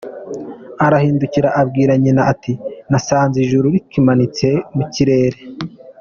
Arahindukira abwira nyina ati :”nasanze ijuru rikimanitse mu kirere”.